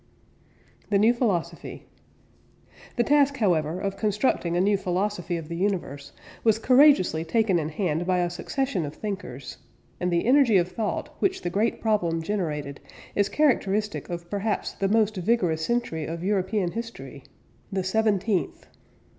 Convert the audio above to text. THE NEW PHILOSOPHY. The task, however, of constructing a new philosophy of the universe was courageously taken in hand by a succession of thinkers, and the energy of thought which the great problem generated is characteristic of perhaps the most vigorous century of European history the seventeenth.